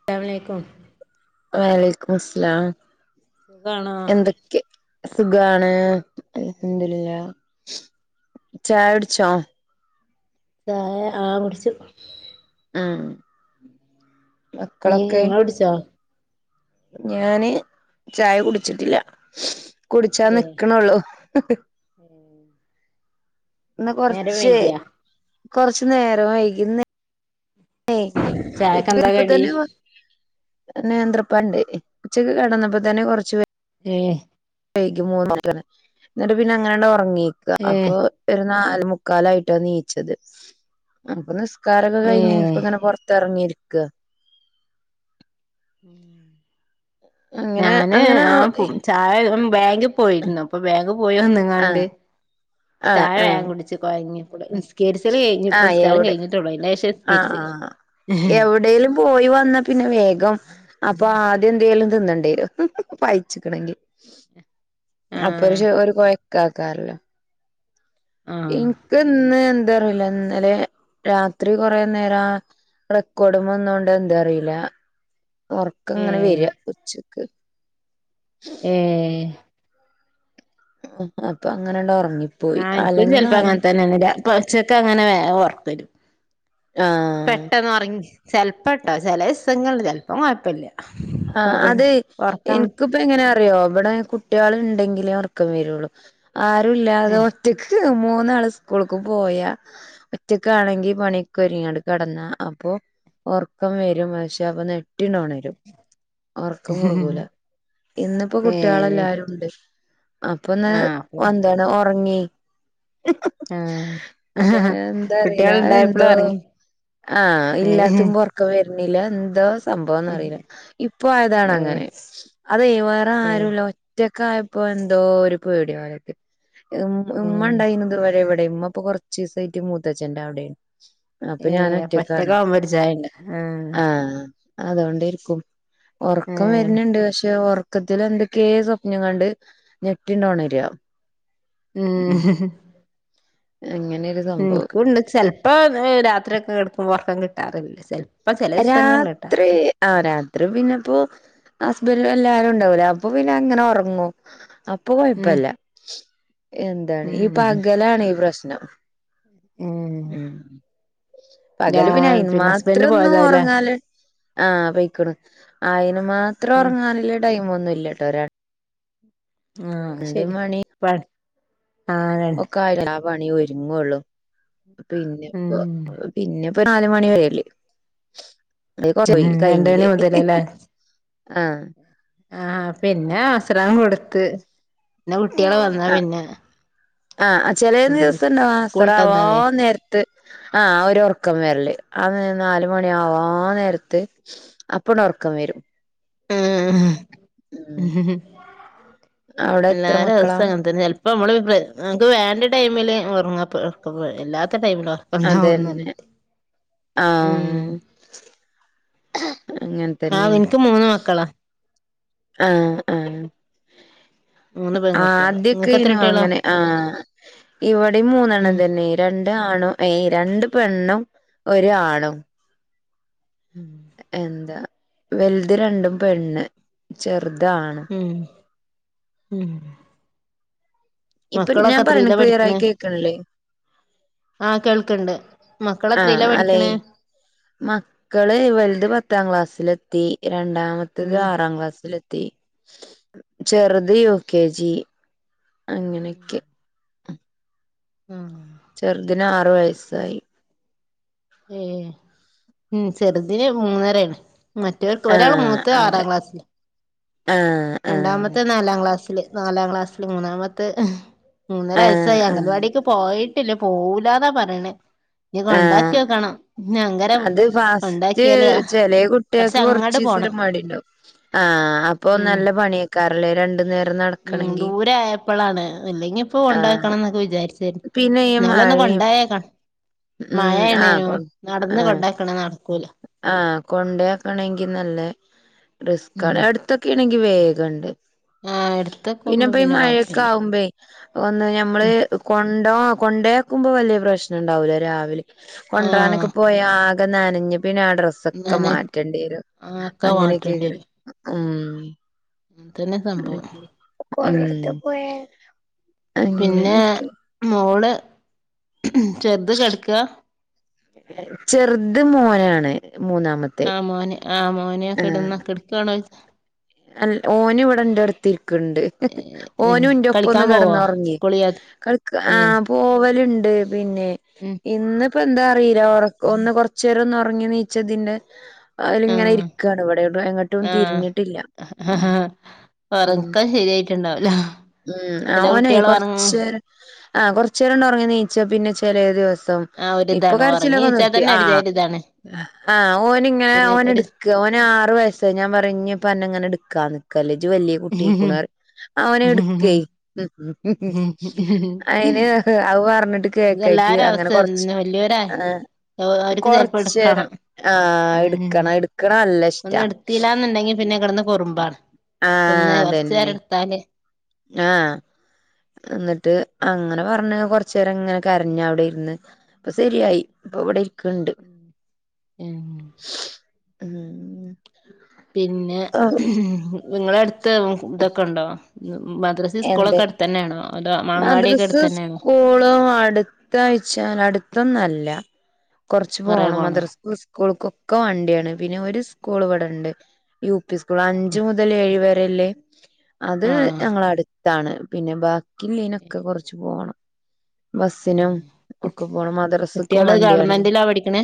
അസ്സലാമലെയ്ക്കും വലയ്ക്കുമുസ്സലാം സുഖാണോ എന്തെ ക്ക്‌ സുഖാണ് അൽഹംദുലില്ലാ ചായടിച്ചോ ചായെ ആഹ് കുടിച്ചു ആഹ് ഞ് നിങ്ങളുട്ച്ചോ ഞാന് ചായ കുടിച്ചിട്ടില്ല കുടിച്ചാ ഇല്ലേ നിക്കണള്ളൂ [inaudible] ഇന്ന് നേരം കൊറച്ച് വൈകിയാ കൊറച്ച് നേരം വൈകിന്ന് ചായക്കെന്താ കടി [inaudible] നേന്ത്രിപ്പണ്ട് ഉച്ചക്ക് കിടന്നപ്പോ തന്നെ കൊറച്ച പ ഏഹ് [unintelligible] മൂന്ന് എന്നിട്ട് പിന്നെ അങ്ങനെങ്ങാണ്ട് ഉറങ്ങീക്കോ ഏ അപ്പൊ ഒരു നാല് മുക്കാലായിട്ടാണ് നീച്ചത് അനാപ്പ നിസ്ക്കാരൊക്കെ ഏ കഴിഞ്ഞ് ഇപ്പ ഇങ്ങനെ പുറത്തിറങ്ങിയിരിക്കുക ഉം [inaudible] അങ്ങനെ ഞാന് അങ്ങനെ ആ പോയി ചായ ബാങ്കിൽ പോയിരുന്നു അപ്പൊ ബാങ്കക് പോയി വന്നിങ്ങാണ്ട് ആഹ് ആഹ് ചാഴ ആഹ് വേഗം കുടിച്ചു കൊഴഞ്ഞപ്പഴ് സ്കേരിസല് കഴിഞ്ഞ് ആഹ് പുസ്കാരം എവിടെ കഴിഞ്ഞിട്ടുള്ളു ഇ വിഷം ആഹ് സ്കേരിസ് ആഹ് എവിടേലും പോയി വന്നാ പിന്നെ വേഗം അപ്പൊ അദ്യം എന്തേലും തിന്നണ്ടേരു പായിച്ചക്കണെങ്കിൽ [inaudible] അപ്പൊ ഒരു ഒരു കൊഴക്ക ആക്കാറല്ലോ ആ എനിക്ക് ഇന്ന് എന്താ അറിയില്ല ഇന്നലെ രാത്രി കൊറെ നേരം റെക്കോർഡും വന്ന കൊണ്ട് എന്താ അറിയില്ല ഉറക്ക ഏ ഇങ്ങനെ വരിക ഉച്ചക്ക് ഏഹ് അപ്പൊ അങ്ങനെ ഉണ്ടാ ഉറങ്ങി ആ എനിക്കൊരു ചിലപ്പോ അങ്ങനെ തന്നെ വെരാ കൊറച്ചൊക്കെ അങ്ങനെ ഉറക്ക വരും ആഹ് പെട്ടന്ന് ഉറങ്ങി ചിലപ്പോട്ടോ ചില ദിവസങ്ങളിൽ ചിലപ്പം കുഴപ്പില്ല ആഹ് അതെ എനിക്ക് ഇപ്പ എങ്ങനെ അറിയോ ഇവിടെ കുട്ടികൾ ഉണ്ടെങ്കിലേ ഉറക്കം വരുള്ളു ആരുല്ലാതെ ഒറ്റക്ക് മൂന്നാള് സ്കൂളക്ക് പോയാ ഒറ്റക്ക് ആണെങ്കി പണിക്ക് ഒരുരിങ്ങാട് കിടന്നാ അപ്പൊ ഉറക്കം വരും പക്ഷേ അപ്പൊ നെട്ടി ണോണരും ഉറക്കം മുറുകൂല ഇന്നിപ്പോ ഏ കുട്ടികളെല്ലാരും ഉണ്ട് അപ്പൊ ഒന്ന് ആ അപ്പം വന്താണ് ഉറങ്ങി [unintelligible] ആ അതെ എന്താ കുട്ടികൾ അറിയില്ലാ അത് ഉണ്ടായപ്പള് എന്തോ ഉറങ്ങി ആഹ് ഏ ഇല്ലാത്തിമ്പോ ഉറക്ക വരുണില്ല എന്തോ സംഭവോന്ന് ഏ അറിയില്ല ഇപ്പൊ ആയതാണ് അങ്ങനെ അത് വേറെ ഏ ഏ ആരുല്ല ഒറ്റ ഒറ്റക്കെ ആയപ്പോ എന്തോ ഒരു പേടി പോലെ ഒക്കെ ഉം ഉമ്മെണ്ടൈനത് വരെ എവിടെ ഉമ്മ അപ്പൊ കൊറച്ച് ദിവസായിട്ട് മൂത്തേ ച്ഛന്റെ അവിടെയാണ് അപ്പൊ ഏ ഞാന് ഒറ്റക്കാണ് ഒറ്റക്കാവുമ്പോ ഒരു ചായണ്ട് ആ ആഹ് അതുകൊണ്ടിരിക്കും ഏ ഉറക്കം വരുണുണ്ട് പക്ഷെ ഉറക്കത്തിൽ എന്ത്ക്കേ സ്വപ്നം കണ്ട് ഞെട്ടിണ്ടോണരിക ഉം ഹം ഹം ങ്ങനെ ഒരു സംഭവം എനിക്കുണ്ട് ചെലപ്പോ രാത്രി ഒക്കെ കിടക്കുമ്പോ ഉറക്കം കിട്ടാറില്ലേ ചെൽപ്പ് അപ്പൊ ചിലേ സ്ഥലങ്ങളിൽ കേട്ടാ ആഹ് രാത്രി പിന്നെപ്പോ ഹസ്ബന്ഡും എല്ലാരും ഉണ്ടാവൂലേ അപ്പൊ പിന്നെ എങ്ങനെ ഉറങ്ങും ഇപ്പ ഉം കുഴപ്പല്ല എന്താണ് ഈ ഉം പകലാണ് ഈ പ്രശ്നം ഉം ഉം രാ പകല് പിന്നെ ഹസ്ബൻഡ് അയിന്മാത്രൊന്നും പോയതാവുല്ലേ ഉറങ്ങാല് ആഹ് പൊയിക്കണ് അയിന് മാത്രം ഉം ഉറങ്ങാനുള്ള ടൈം ഒന്നുംല്ലട്ടോ ഒരാൾ ആഹ് ശരി മണി [unintelligible] കണ്ടേ [unintelligible] പണി ഒരുങ്ങുള്ളൂ ഉം പിന്നെപ്പൊ പിന്നെ ഇപ്പൊ നാല് മണി വരെല്ലേ ആ ഉം [unintelligible] രണ്ട് മണി കഴിഞ്ഞില്ലേ മുതലല്ലേ ആഹ് ആഹ് പിന്നെ അസറാങ്കൊട്ത്ത് പിന്നെ കുട്ട്യാള് വന്നാ ആ പിന്നെ ആഹ് ചെലേ ഒന്നിനും പറ്റി ദിവസണ്ടാവും സ്കൂള്ട്ട് വന്നാലേ അസറാവാന്നേര് ത്ത് ആ ഒരു ഒറ്ക്കം വെര്ല് ആ നേരം നാല്മണ്യാവാന്നേര്ത്ത് അപ്പണ്ടൊർക്കം വെരും ഉം ഉം [unintelligible] അവിടെ എത്ര മക്കളാ എല്ലാരവസ്ഥങ്ങൻതന്നെല് അപ്പോൾ നമ്മൾ നങ്ങൾക്ക് വേൻ്റെ ടൈമിൽ ഉറങ്ങാ ഇല്ലാത്ത ടൈമിലോ അതെന്നെ ഉം ആഹ് അങ്ങൻ ആഹ് ഇൻക്ക് മൂന്ന് മക്കളാ ആഹ് ആഹ് മൂന്ന് പെൺകുട്ടികള് നിങ്ങക്ക് എത്ര ആദ്യൊക്കെയ്നു കുട്ടികളാ അങ്ങനെ ആഹ് ഇവടിം ഉം മൂന്നെണ്ണതന്നെ രണ്ട് ആണും ഏയ് രണ്ട് പെണ്ണും ഒര് ആണും ഉം എന്താ വെൽത് രണ്ടും പെണ്ണ് ചെറ്ത് ആണ് ഉം ഉം ഇപ്പൊ ഞാൻ മക്കളൊക്കെ പറയ്ണ് എത്രീലാ ക്ലിയറായി പഠിക്കണേ കേക്ക്ണ്ല്ലേ ആഹ് കേൾക്ക്ണ്ട് മക്കളെത്രയിലാ ആഹ് പഠിക്കണേ ആലെയ് മക്കള് വൽത് പത്താം ക്ലാസ്സ്ലെത്തി, രണ്ടാമ ഉം മൂത്തത് ആറാങ്ക്ളാസ്സ്ലെത്തി ഉം ചെറ്ത് യു. കെ. ജി അങ്ങനെക്കെ ഉം ചെറ്ദ്ന് ആറ് വയസ്സായി ഏഹ് ഉം ചെറ്തിന് മൂന്നരേണ് മറ്റോർക്ക് ഒരാള് മൂത്തത് ആറാം ക്ലാസ്സ്ല് ഏഹ് രണ്ടാമത്തത് നാലാം ക്ലാസ്സില് നാലാം ക്ലാസ്സില് മൂന്നാമത്തത് എഹ് മൂന്നര ആഹ് വയസ്സായി ആഹ് അംഗൽവാടിക്ക് പോയിട്ടില്ല പോവൂലാന്നാ പറിണെ [unintelligible] ആഹ് കൊണ്ടാക്ക്യോക്കണം അങ്കരാ കൊണ്ടാക്ക്യാല് ആഹ് കുട്ട്യാക്ക് കൊറ്ച്ചീസൊര് മടിണ്ടാവും ആഹ് അപ്പോ ഉം നല്ല പണ്യെയ്ക്കാരല്ലേ രണ്ട് നേര ഉം ദൂരായപ്പളാണ് അല്ലെങ്കിപ്പൊ ആഹ് കൊണ്ടാക്കണംന്നൊക്കെ വിചാരിച്ച് പിന്നെ ഈ ന്നാല് ഒന്ന് മഴയും കൊണ്ടേയാക്ക ഉം ആഹ് മഴയേണേനും കൊ നട്ന്ന് ആഹ് കൊണ്ടാക്ക്ണ് നട്ക്കൂല ആഹ് കൊണ്ടേയാക്കണെങ്കിനല്ലെ ഉം റിസ്ക്കാണ് അടുത്തൊക്കേണെങ്കി വേഗണ്ട് ആഹ് എടുത്തക്കുമ്പോ പിന്നെപ്പീ പിന്നെ കൊഴപ്പില്ല മയൊക്കാവുമ്പെയ് ഒന്ന് ഞമ്മള് ഉം കൊണ്ടോ കൊണ്ടെയാക്കുമ്പോ വല്യ പ്രശ്നണ്ടാവൂല രാവിലെ കൊണ്ട് ആഹ് രാനൊക്കെ പോയാ ആകെ നനഞ്ഞ് പിന്നാ ഡ്രസ്സ് ഇതൊക്കെ നന മാറ്റേണ്ട്യെരും ആഹ് ഒക്കെ മാറ്റേണ്ടി അങ്ങനൊക്കേക്കരം വരും ഉം അതന്നെ സംഭവം ഉം പിന്നെ അങ്ങനെ മോള് ചെറ്ത് കെട്ക്കാ ചെറ്ത് മോനാണ് മൂന്നാമ ആ മൊന് ആ മോന് ആ കെട്ന്ന് കെട്ക്കാണോയ് അൽ ഓനിവടെന്റെട്ത്തിര്ക്ക്ണ്ട് ഏഹ് ഓനൂന്റൊപ്പൊന്ന് കളിക്കാൻ പോവോ കെടന്നൊറങ്ങി സ്കൂളിയാത്ത കേൾക്കാ ഏഹ് ആഹ് പോവല്ണ്ട് പിന്നെ ഉം ഇന്ന് പ്പെന്താറീല ഒന്ന് കൊറ്ച്ചേരൊന്ന് ഒറ്ങ്ങി നീച്ചതിന്റെ അയില്ങ്ങനെ ആഹ് ഇരിക്കാണിവടെ എവ്ടെങ്ങട്ടും തിര്ഞ്ഞ്ട്ടില്ല അഹആഹ് ഒറ്ക്കം ശര്യായിട്ട്ണ്ടാവൂല ചെല കുട്ട്യാള് ഒറ്ങ് [unintelligible] ആഹ് കൊറ്ച്ചേരണ്ടൊറ്ങ്ങി നീച്ചാ പിന്നെ ചെലേ ദിവസ തോം ആഹ് ഇപ്പൊ ഒരിതാണ് ഒറങ്ങി കരച്ചിലൊക്കെ നീച്ചാ നിർത്തി തന്നെ ഒരു ആഹ് ജാതി ഇതാണ് ആഹ് ഓന് ഇങ്ങനെ പിന്നെ ഓൻ എട് ഓന് ആറ് വയസ്സായി ഞാൻ പറഞ്ഞിപ്പ അന്നെ അങ്ങനെ എടുക്കാന്ന് കല്ലേ ജ്ജ് വല്യ ഒരു കുട്ടിയായിക്കുണ്റിം അവനെ എടുക്കെ? ഉം ത് അവർഞ്ഞിട്ട് കേക്കായിട്ട് അങ്ങനെ കൊറച്ച് ഇതന്നെ വല്യോരാ ആഹ് അവർക്ക് ചെലപ്പോ കൊറച്ചേ രം എടുക്കണം ആഹ് എടുക്കണം എടുക്കണ നല്ല ഇഷ്ടാ ത്തിലാന്നുണ്ടെങ്കി പിന്നെ കെടന്ന് കുറുമ്പാണ് അപ്പൊന്ന് കുറച്ചു നേരം എടുത്താല് ആഹ എന്നട്ട് അങ്ങനെ പറഞ് കൊർച്ചേരം ഇങ്ങനെ കരഞ്ഞു അവിടെ ഇരുന്ന് ഇപ്പൊ ശരിയായി ഇപ്പൊ ഇവിടെ ക്ണ്ട് ഉം ഉം പിന്നെ ആഹ് നിങ്ങള അടുത്ത് ഇതൊക്കെ ഉണ്ടോ മദ്രസ് എന്തെ മദ്രസ അടുത്ത് തന്നെയാണോ സ്കൂളും അടു ത്താച്ചാൽ അടുത്തൊന്നു അല്ല കുറച്ച് കൊറെ പോണം പോണോ മദ്രസക്ക്‌ സ് കൂൾക്കൊക്കെ വണ്ടിയാണ്. പിന്നെ ഒരു സ്കൂൾ ഇവിടെണ്ട് യു പി സ്കൂൾ അഞ്ച് മുതൽ ഏഴ് വരെള്ള അത് ആഹ് ഞങ്ങള അടുത്താണ് പിന്നെ ബാ ഇല്ല്യേ നൊക്കെ കൊറച്ചു പോണം ബസ്സിനും ഒക്കെ പോണം, മദ്രസക്കും കുട്ടികള് വണ്ടിയാണ് ഗവൺമെന്റിലാ പഠിക്കണേ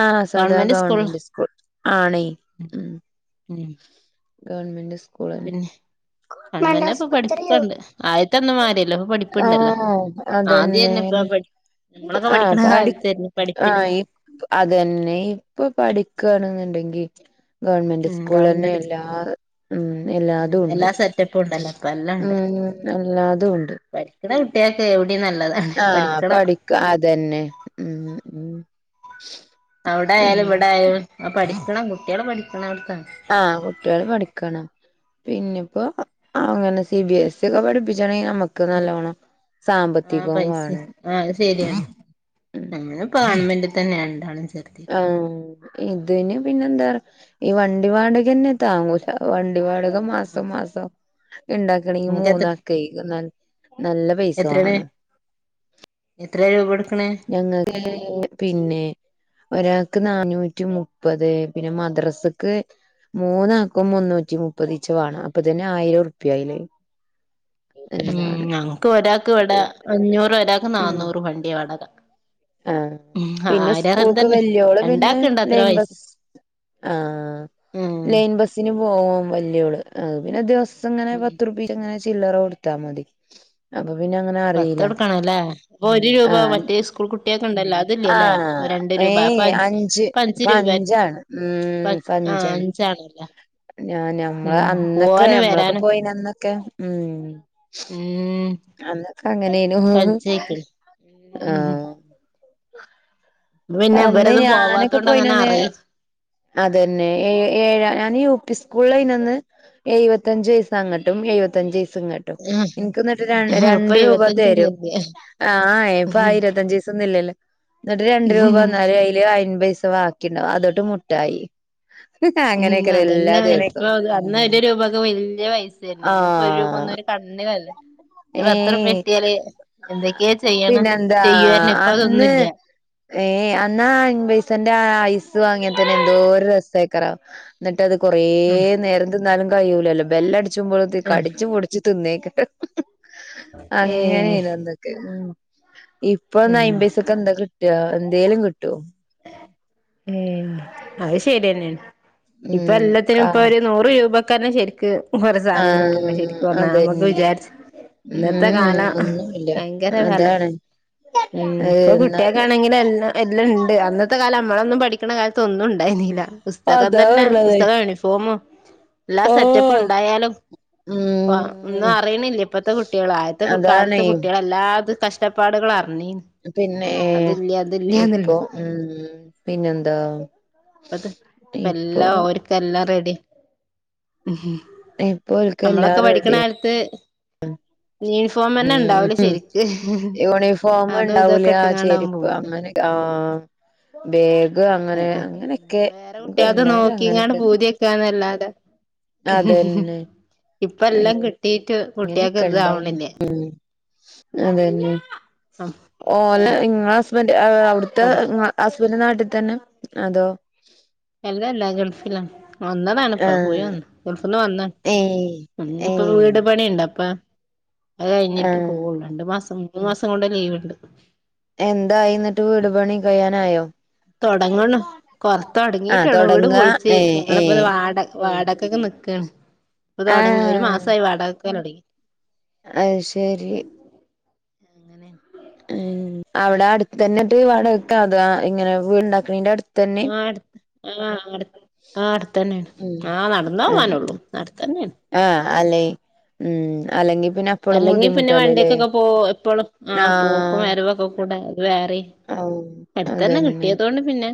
ആഹ് സാധാ ഗവൺമെന്റ് സ്കൂൾ ആണെ ഉം ഉം ഗവൺമെന്റ് സ് പിന്നെ ഗവണ്മെന്റിൽ ഇപ്പൊ പഠിപ്പിക്കണ്ട് ആദ്യത്തന്നു മാരിയല്ലല്ലോ ഇപ്പൊ പഠിപ്പ് ണ്ടല്ലോ ആഹ് ആ അതന്നെ ആദ്യന്നെ [inaudible] ഞമ്മളൊക്കെ ആഹ് പഠിക്കണ പാടി കാലത്തായ്രുന്നു പഠിപ്പിന് ആഹ് ഈ അതന്നെ ഇപ്പൊ പഠിക്കാണെന്നുണ്ടെങ്കി ഗവൺമെന്റ് ഉം സ്കൂളിലന്നെ ഗവൺമെന്റ് എല്ലാ മ്മ് എല്ലാതും ഉണ്ട്. സെറ്റപ്പ് ഉണ്ടല്ലോ ഇപ്പ എല്ലാം ഉണ്ട് ഉം എല്ലാതും ഉണ്ട് പഠിക്കുന്ന കുട്ടികൾക്ക് എവിടെയും നല്ലത ആഹ് പഠിക്കും അതന്നെ ഉം ഉം അവിടെ ആയാലും ഇവിടെ അങ്ങനെയൊക്കെ ആയാലും പഠിക്കണം കുട്ടികള് പഠിക്കണടത്ത ആഹ കുട്ടികള് പഠിക്കണം. പിന്നെപ്പോ അങ്ങനെ സി ബി എസ് ഇ ഒക്കെ പഠിപ്പിച്ചണെങ്കി നമ്മുക്ക് ക്ക് നല്ലോണം ആഹ് സാമ്പത്തികവും പൈസ വേണം ഉം ഉം ഞങള് ഗവൺമെന്റിൽ തന്നെ രണ്ടാളേം ചേർത്തീത് ആഹ് ഇതിന് പിന്നെ എന്താ ഈ വണ്ടി വാടകന്നെ താങ്ങൂല വണ്ടി വാടക മാസം മാസം ഇണ്ടാക്കി ക്കണെങ്കിൽ നിങ്ങക്ക് എത്ര മൂന്നാൾക്കെ നല്ല പൈസ വേണം. എത്രയ രൂപ കൊടുക്കണെ? ഞങ്ങൾക്ക് പിന്നെ ഒരാൾക്ക് നാന്നൂറ്റി മുപ്പത് പിന്നെ മദ്രസക്ക് മൂന്നാക്കും മുന്നൂറ്റി മുപ്പത്ച് വേണം അപ്പൊ തന്നെ ആയിരം റുപ്യായില്ലേ ഉം ഞങ്ങക്ക് ഒരാൾക്ക് ഇവടെ അഞ്ഞൂറ് ഒരാൾക്ക് ഉം നാന്നൂറ് വണ്ടി വാടക ആഹ് ഉം പിന്നെ ആയിരം സ്കൂൾക്ക് തന്നെ വല്യോള് പിന്നെ രണ്ടാക്ക്ണ്ട് അത്ര ലൈൻ പൈസ ബസ് ആഹ് ഉം ലൈൻ ബസിന് പോവും വല്യോള് പിന്നെ ദിവസം ഇങ്ങനെ പതുറുപ്യ ങ്ങനെ ചില്ലറ കൊടുത്താൽ മതി അപ്പൊ പിന്നെ അങ്ങനെ പത്ത് അറിയില്ല എടുക്കണല്ലേ അപ്പൊ ഒരു രൂപ ആഹ് മറ്റേ സ്കൂൾ കുട്ടിയൊൾക്ക്‌ ഉണ്ടല്ലോ ത് ല്യല്ലേ ആഹ് രണ്ട് രൂപ ഏയ് അപ്പ അഞ്ച് പ ഇപ്പ അഞ്ചു രൂപേ അഞ്ചാണ് ഉം ഇപ്പ ആഹ് അഞ്ചാണ് അഞ്ചാണല്ലേ ഞാ ഞമ്മള് അന്നൊക്കെ ഞമ്മളൊക്കെ വരാനും പോയിന് അന്നൊക്കെ ഉം മ്മ് അന്നൊക്കെ അങ്ങനേനു ഉം ആഹ് പിന്നെ അന്ന് ഇവരൊന്നും ഞാനൊക്കെ പോവാത്തോണ്ട് അങ്ങനെ പോയിനന്ന് അറിയും അതന്നെ ഏ ഏഴ ഞാൻ യു പി സ്കൂളഐയ്നന്ന് എയ്പത്തഞ്ചൈസങ്ങട്ടും എയി പത്തഞ്ചൈസിങ്ങട്ട് ട്ടും ഇൻക്ക്ന്നിട്ട് ര ഇപ്പൊ രണ്ട് രൂപ തരും. ഇരുപത്തഞ്ചൊന്നുല്ല ആ ഇപ്പ ആ ഇരുപത്തഞ്ചൈസ ഒന്നും ഇല്ലല്ലോ? ന്നിട്ട് രണ്ട് രൂപ ഉം ടയ്യിലി അയ്പൈസ ബാക്കിണ്ടാവും അതോണ്ട് മുട്ടായി [unintelligible] ഉം അങ്ങനെയൊക്കെയ എല്ലാ അതന്നപ്പോ ദിവസവും അങ്ങനെപ്പോ അന്ന് ഒരു രൂപൊക്കെ വല്യാ പൈസല്ലേ ഇന്ന്പ്പോ ഒരു ആഹ് രൂപൊന്നൊരു [unintelligible] ഇത് പത് റൂപ്യാ ഏയ് കിട്ട്യാല് എന്തൊക്കെയാ ചെയ്യണം പിന്നെന്താ ചെയാരുന്നു ഇപ്പ അന്ന് അതൊന്നുല്ല ഏയ് അന്നാ അൻമ്പൈസന്റെ ആ ഐസ് വാങ്ങ്യ തന്നെ എന്തോ ഒരു രസായിക്കറാ ന്നിട്ടത് കൊറേ ഉം നേരം തിന്നാലും കഴൂലല്ലോ ബെല്ലടിച്ചുമ്പോഴത്തേക്ക് ഉം കടിച്ച്മുടി ജ് തിന്നേക്കട്ട് ഏഹ് [unintelligible] ഇന്തൊക്കെ ഉം ഇപ്പൊന്ന് ഉം അൻമ്പൈസക്ക്‌ എന്താ കിട്ടാ എന്തേലും കിട്ടോ ഏയ്‌ അത് ശെര്യാന്നാണ് ഇപ്പോ ഉം എല്ലാത്തിനും കാ ഇപ്പൊ ഒരു നൂറ് രൂപാക്കന്നെ ശെരിക്ക് മ്മക്കൊര് സാധനം ആഹ് കിട്ട്ണ്ട ശരിക്ക്‌ പറഞ്ഞ അന്നൊക്കെ അതന്നെ വിചാരിച്ച് ഇന്നത്തെ ഉം കാലാം ഒന്നുമില്ല ഭയങ്കര വെല അതാണ് ഉം ഇപ്പൊ എന്നാല് കുട്ട്യക്കാണെങ്കില് എല്ലാം എല്ലാം ഇണ്ട് അന്നത്തെ കാലം അമ്മളൊന്നും പഠിക്കണ കാലത്ത് ഒന്നും ഉണ്ടായിനീല്ല പുസ്തകം അതാ തന്നെ പറഞ്ഞത് പുസ്തകോം യൂണിഫോമും എല്ലാ ഓ സെറ്റപ്പ്‌ണ്ടായാലും പ്പ ഒന്നും ഉം അറിയണില്ല ഇപ്പത്തെ കുട്ട്യോള് ആദ്യത്തെ കു കാലത്ത് അതാണേ കുട്ട്യോള് എല്ലാത് കഷ്ടപ്പാടുകൾ അറിഞ്ഞീൻ പിന്നെ ഇപ്പൊ ഉം പിന്നെന്താ പ്പത് ഇപ്പൊ ഇപ്പേല്ലാം ഓര്ക്കെല്ലാം റെഡ്യാ ഇപ്പൊ ഓൽക്ക് എല്ലാം നമ്മളൊക്കെ പഠിക്കണ റെഡിയാ കാലത്ത് നീസ് ഉം ഹ് യൂണിഫോമ് അതും ഇണ്ടാവൂല ഇതൊക്കെ ഇട്ടുങ്ങാണ്ടാവും ചെരിപ്പ് പോക്ക് അങ്ങനെ ആഹ് ബേഗ് അങ്ങനെ അങ്ങനൊക്കെ വേറെ കുട്ടികൾത് ഇപ്പല്ലാരും നോക്കിങ്ങാണ്ട് അങ്ങനൊക്കെ പൂതിവെക്കാന്നല്ലാതെ അതന്നെ ഇപ്പ എല്ലാം കിട്ടീട്ട് കുട്ടികൾക്ക് അങ്ങനൊക്കെ ഇണ്ടാരുന്നു ഇതാവണില്ലേ ഉം അതന്നെ ഓലെ ഇങ്ങളെ ഹസ്ബൻഡ് അ അവിടുത്തെ പഠി ഹസ്ബൻഡ് നാട്ടിൽ തന്നാ അതോ എല്ലല്ല ഗൾഫിലാ വന്നതാണിപ്പ പോയ് ആഹ് വന്ന് ഗൾഫ് ന്ന് വന്ന ഏഹ് ഉം ഇനിപ്പ ഏഹ് വീട് പണിണ്ടപ്പ അത് കഴിഞ്ഞിട്ട് ആഹ് പോവുള്ളൂ രണ്ട് മാസം മൂന്ന് മാസം കൊണ്ട് ലീവ്ണ്ട് എന്തായിന്നിട്ട് വീട് പണി കഴ്യാനായോ തൊടങ്ങണ് കൊറ ആഹ് തൊടങ്ങീട്ട്ള്ളൂ വീട് തൊടങ്ങാ പൊളിച്ച് ഏഹ് ങ്ങള്പ്പ ദേ ഏഹ് വാട വാടകൊക്കെ നിക്കാണ് ഇപ്പ തൊടങ്ങി ഒരു ആഹ് മാസായി വാടകക്കല് തൊടങ്ങി അയ് ശെരി അവടെ അടുത്ത് തന്നെട്ട് വാടകക്കാ അത ഇങ്ങനെ വീട്ണ്ടാക്കണീന്റെ അടു ആഹ് അട് ആഹ് അട്ത് ആ അടുത്തന്നാണ് ഉം ആ നടന്നോവാനൊള്ളൂ അടുത്തന്നേണ് ആ അല്ലെയ് ഉം അല്ലെങ്കി പിന്നെ അപ്പളും അല്ലെങ്കി പിന്നെ ബുദ്ധിമുട്ടല്ലേല്ലേ വണ്ടിക്കൊക്കെ പോ എപ്പോഴും ആഹ് പോക്കും വരവൊക്കെ കൂടെ അത് വേറെ അഔ അതന്നെ പിന്നെ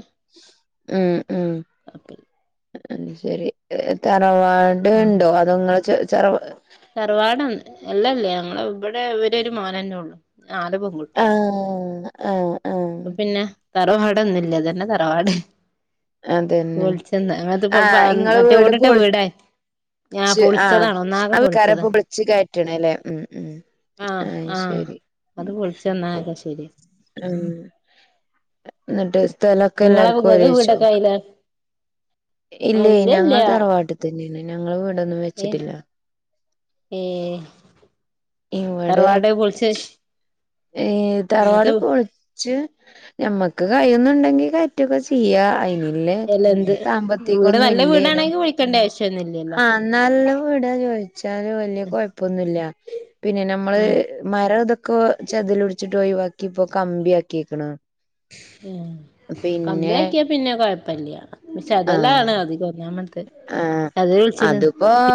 ഉം ഉം കൊഴപ്പല്ല അത്ശരി തറവാട് ഇണ്ടോ അതോങ്ങള് ചെ ചെറവ് തറവാട്‌ എല്ലല്ല്യാ ഞങ്ങള് ഇവടെ ഇവര് ഒരു മോനന്നെ ഉള്ളു നാല് പെകുട്ട്യാ ആഹ് ആഹ് ആഹ് അപ്പൊ പിന്നെ തറവാടൊന്നുല്ല ഇതന്നെ തറവാട് അതന്നെ വിളിച്ചെന്ന അത്പ്പ ആഹ് മറ്റേ ഓടിട്ട വീടാ ആ ച്ച് ആഹ് പൊളിച്ചതാണ് ഒന്നാകെ പൊളിച്ചതാ ആൾകരെപ്പൊ വിളിച്ച് കയറ്റണം ല്ലേ ഉം ഉം ആഹ് ആഹ് അയ്ശരി അത് പൊളിച്ച [unintelligible] ശരി ഏഹ് എന്നിട്ട് സ്ഥലൊക്കെ നിങ്ങളെ എല്ലാർക്കും ഇങ്ങക്ക് ഓരേച്ചോ വീടൊക്കെ ആയില്ലേ ഇല്ല ഞങ്ങൾ തറവാട്ടിൽ തന്നെയാണ് ഞങ്ങള് ഇവിടൊന്നും വെച്ചിട്ടില്ല ഏഹ് തറവാട് പൊളിച്ച് ഏഹ് ഇങ്ങത്തെ തറവാട് പൊൾ ച്ച് ഞമ്മക്ക് കൈയുന്നുണ്ടെങ്കിൽ കയറ്റുക്കെ ചെയ്യാം അന് ല് അല്ല എന്ത് വീട് സാമ്പത്തികൊന്നും നല്ല ഇല്ലനും വീടാണെങ്കി വിളിക്കേണ്ട ആവശ്യൊന്നുല്ലല്ലോ ആഹ് നല്ല വീടാ ചോയിച്ച ച്ചാലും വല്യ കഴപ്പൊന്നുല്ല പിന്നെ നമ്മള് ഉം മരം ഇതൊക്കെ ചെതലുടിച്ചിട്ട് ഒഴിവാക്കി ഇപ്പോ കമ്പി ആക്കിക്ക്‌ണ് ആഹ് കമ്പയാക്കിയാ പിന്നെ കൊഴപ്പല്ല പക്ഷെ ആഹ് ചെതലാണ് അധികവും ഒന്നാമത്തെ ആഹ് അത് വിളിച്ചിന് അതിപ്പോ